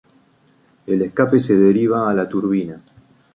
El escape se deriva a la turbina.